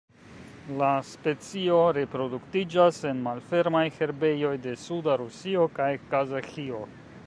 La specio reproduktiĝas en malfermaj herbejoj de suda Rusio kaj Kazaĥio.